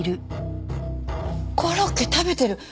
コロッケ食べてる！